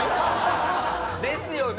ですよね？